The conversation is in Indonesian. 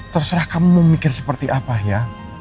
terserah kamu memikir seperti apa ya